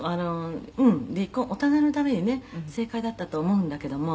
「離婚お互いのためにね正解だったと思うんだけども」